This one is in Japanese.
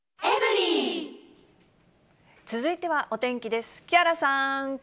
続いてはお天気です。